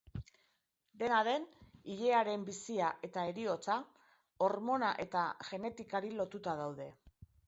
Dena den, ilearen bizia eta heriotza, hormona eta genetikari lotuta daude.